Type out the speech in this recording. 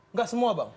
nggak semua bang